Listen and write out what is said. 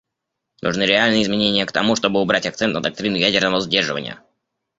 Нужны реальные изменения к тому, чтобы убрать акцент на доктрину ядерного сдерживания.